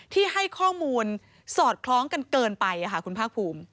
ที่ให้ข้อมูลสอดคล้องกันเกินไปคุณภาคภูมิ